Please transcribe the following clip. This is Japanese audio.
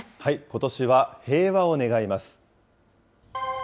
ことしは平和を願います。